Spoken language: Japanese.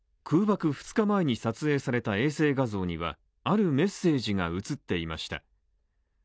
空爆２日前に撮影された衛星画像にはあるメッセージが写っていました。